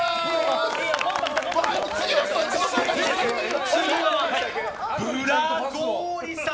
次はブラゴーリさん。